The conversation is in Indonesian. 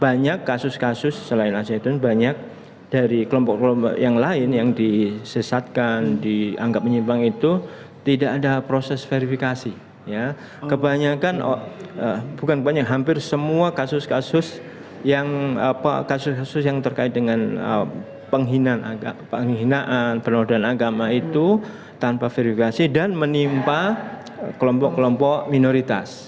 banyak kasus kasus selain asetun banyak dari kelompok kelompok yang lain yang disesatkan dianggap menyimpang itu tidak ada proses verifikasi ya kebanyakan bukan banyak hampir semua kasus kasus yang apa kasus kasus yang terkait dengan penghinaan agama penghinaan penerbangan agama itu tanpa verifikasi dan menimpa kelompok kelompok minoritas